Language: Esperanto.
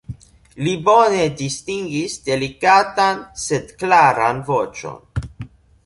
Li bone distingis delikatan, sed klaran voĉon.